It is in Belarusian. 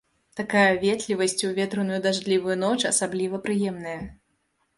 Такая ветлівасць у ветраную дажджлівую ноч асабліва прыемная.